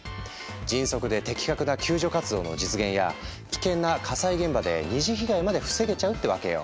迅速で的確な救助活動の実現や危険な火災現場で二次被害まで防げちゃうってわけよ。